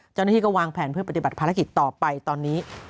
เจ้าหน้าที่ก็วางแผนเพื่อปฏิบัติภารกิจต่อไปตอนนี้